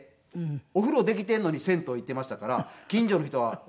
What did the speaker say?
お風呂できているのに銭湯行っていましたから近所の人はどうしたんやろ？